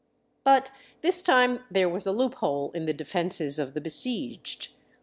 But this time there was a loophole in the defenses of the besieged.